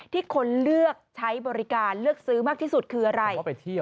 ที่คนเลือกใช้บริการเลือกซื้อมากที่สุดคืออะไร